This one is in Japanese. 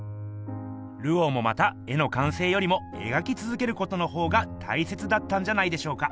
ルオーもまた絵の完成よりもえがきつづけることのほうがたいせつだったんじゃないでしょうか。